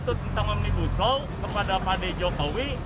tentang omnibus law kepada pak d jokowi